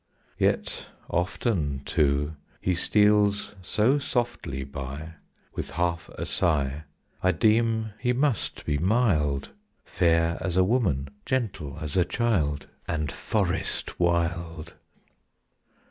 Yet often too he steals so softly by, With half a sigh, I deem he must be mild, Fair as a woman, gentle as a child, And forest wild.